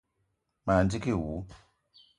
Ma ndigui wou.